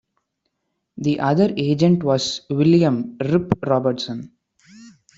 The other agent was William "Rip" Robertson.